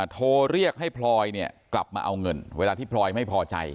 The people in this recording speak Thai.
โทรเรียกให้พลอยเนี่ยกลับมาเอาเงินเวลาที่พลอยไม่พอใจ